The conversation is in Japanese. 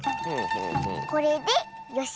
これでよし。